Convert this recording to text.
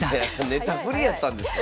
ネタ振りやったんですか？